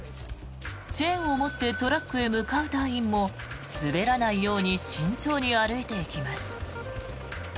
チェーンを持ってトラックに向かう隊員も滑らないように慎重に歩いていきます。